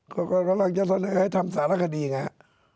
เราก็ละลังจะสนุกให้ทำสารคดีไง